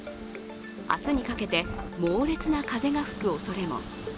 明日にかけて猛烈な風が吹くおそれも。